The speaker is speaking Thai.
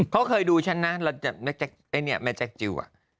เขาเคยดูฉันนะแม่แจ๊คจิว